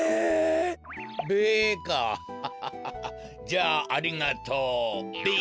じゃあありがとうべ。